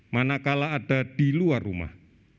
manakala ada di luar rumah